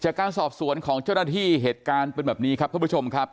จากการสอบสวนของเจ้าหน้าที่เหตุการณ์เป็นแบบนี้ครับท่านผู้ชมครับ